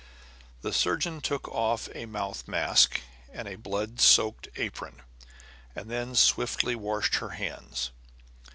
The surgeon took off a mouth mask and a blood soaked apron, and then swiftly washed her hands.